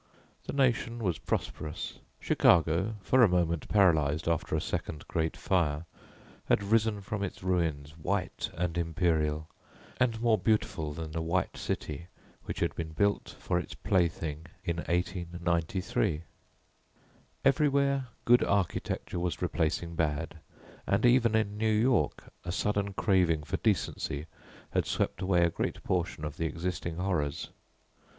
The nation was prosperous; Chicago, for a moment paralyzed after a second great fire, had risen from its ruins, white and imperial, and more beautiful than the white city which had been built for its plaything in 1893. Everywhere good architecture was replacing bad, and even in New York, a sudden craving for decency had swept away a great portion of the existing horrors.